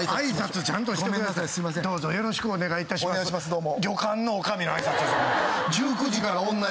どうも。